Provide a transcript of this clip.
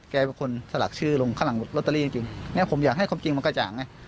แกเป็นคนสลักชื่อลงข้างหลังลอตเตอรี่จริงจริงเนี่ยผมอยากให้ความจริงมันกระจ่างไง